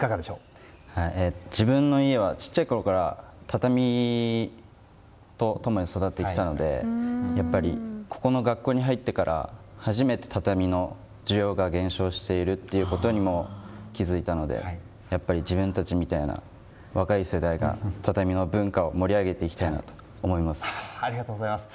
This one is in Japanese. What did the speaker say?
自分の家は小さいころから畳と共に育ってきたのでここの学校に入ってから初めて畳の需要が減少しているということにも気づいたのでやっぱり自分たちみたいな若い世代が畳の文化をありがとうございます。